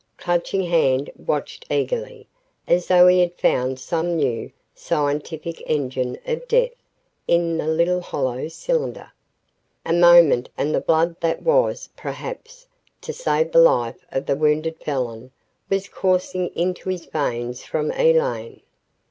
Clutching Hand watched eagerly, as though he had found some new, scientific engine of death in the little hollow cylinder. A moment and the blood that was, perhaps, to save the life of the wounded felon was coursing into his veins from Elaine.